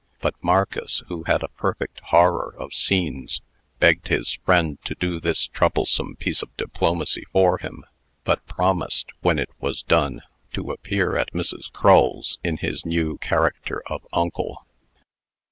But Marcus, who had a perfect horror of scenes, begged his friend to do this troublesome piece of diplomacy for him, but promised, when it was done, to appear at Mrs. Crull's in his new character of uncle.